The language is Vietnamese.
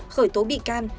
khởi tố bị can